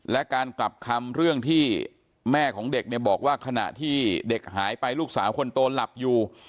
และการกลับคำเรื่องที่แม่ของเด็กเนี่ยบอกว่าขณะที่เด็กหายไปลูกสาวคนโตหลับอยู่